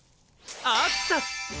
あった！